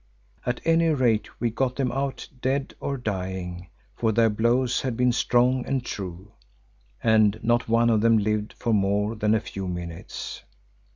At any rate we got them out dead or dying, for their blows had been strong and true, and not one of them lived for more than a few minutes.